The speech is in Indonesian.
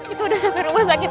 itu udah sampai rumah sakit